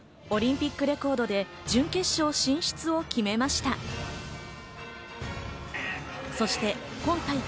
オリンピックレコードで準決勝進出を決めました。